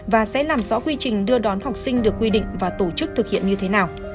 và sẽ làm rõ quy trình đưa đón học sinh được quy định và tổ chức thực hiện như thế nào